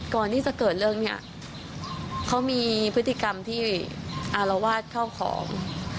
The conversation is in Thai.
ก่อนที่จะเกิดเรื่องเนี่ยเขามีพฤติกรรมที่อารวาสเข้าของ